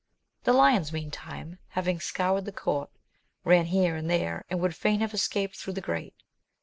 The lions meantime having scoured the court, ran here and there, and would fain have escaped thro' the grate.